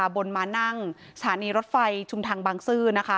บนมานั่งสถานีรถไฟชุมทางบางซื่อ